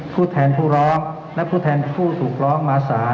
ผู้แทนผู้ร้องและผู้แทนผู้ถูกร้องมาสาร